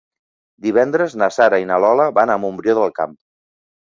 Divendres na Sara i na Lola van a Montbrió del Camp.